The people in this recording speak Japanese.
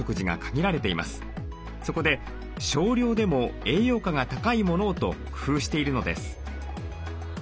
そこで少量でも栄養価が高いものをと工夫しているのです。